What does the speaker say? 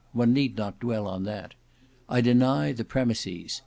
One need not dwell on that. I deny the premises.